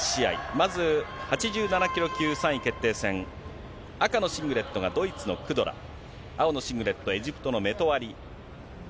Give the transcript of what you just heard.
まず、８７キロ級３位決定戦、赤のシングレットがドイツのクドラ、青のシングレットはエジプトのメトワリ。